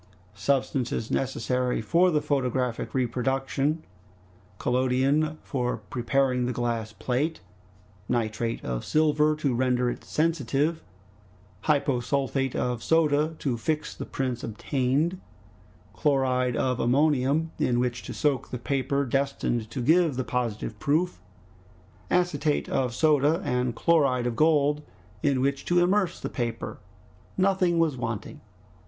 Substances necessary for the photographic reproduction, collodion for preparing the glass plate, nitrate of silver to render it sensitive, hyposulfate of soda to fix the prints obtained, chloride of ammonium in which to soak the paper destined to give the positive proof, acetate of soda and chloride of gold in which to immerse the paper, nothing was wanting.